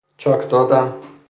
چاک دادن